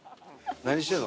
何してんの？